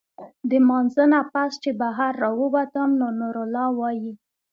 د مانځۀ نه پس چې بهر راووتم نو نورالله وايي